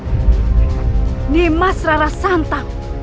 ini adalah mas rara santang